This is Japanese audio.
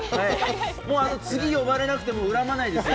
次呼ばれなくても恨まないですよ。